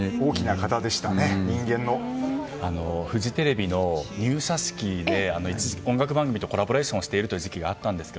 フジテレビの入社式で一時期、音楽番組とコラボレーションをしている時期があったんですよ。